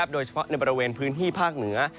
โดยเฉพาะในบริเวณพื้นที่ภาคเหนือ